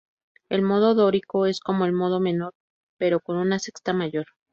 El modo dórico es como el modo menor pero con una sexta mayor.